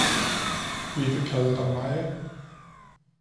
Vi vil kalde dig Maja!"